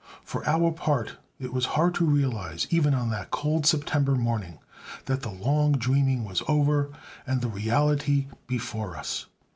For our part it was hard to realize even on that cold September morning that the long dreaming was over and the reality before us.